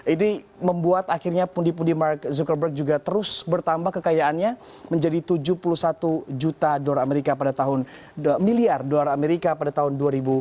ini membuat akhirnya pundi pundi mark zuckerberg juga terus bertambah kekayaannya menjadi tujuh puluh satu miliar dolar amerika pada tahun dua ribu delapan belas